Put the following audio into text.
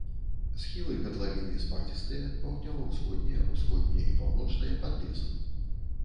Схілы катлавіны спадзістыя, паўднёва-ўсходнія, усходнія і паўночныя пад лесам.